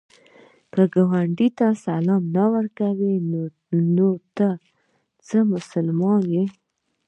که ګاونډي ته سلام نه کوې، نو ته څه مسلمان یې؟